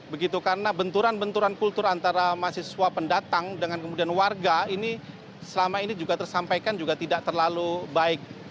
begitu karena benturan benturan kultur antara mahasiswa pendatang dengan kemudian warga ini selama ini juga tersampaikan juga tidak terlalu baik